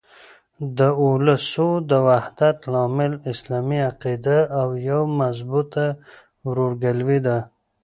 د اولسو د وحدت لامل اسلامي عقیده او یوه مضبوطه ورورګلوي ده.